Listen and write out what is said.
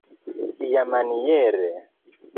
iamaniere